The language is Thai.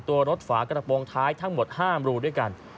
ตัวรถฝากระโปรงท้ายทั้งหมด๕มรูด้วยกัน